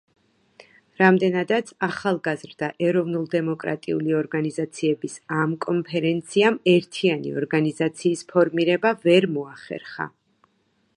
რამდენადაც ახალგაზრდა ეროვნულ-დემოკრატიული ორგანიზაციების ამ კონფერენციამ ერთიანი ორგანიზაციის ფორმირება ვერ მოახერხა.